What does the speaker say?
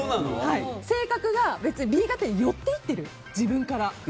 性格がＢ型に寄っていってる自分から。